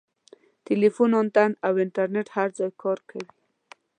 ټیلیفون انتن او انټرنیټ هر ځای کار کوي.